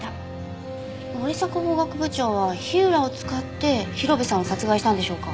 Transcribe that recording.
森迫法学部長は火浦を使って広辺さんを殺害したんでしょうか？